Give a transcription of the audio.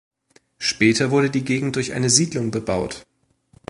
Später wurde die Gegend durch eine Siedlung bebaut.